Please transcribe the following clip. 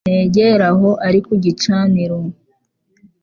negere aho ari Ku gicaniro